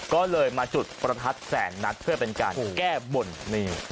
ก็เลยมาจุดประทัดแสนนัดเพื่อเป็นการแก้บนนี่